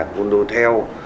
hôn đô theo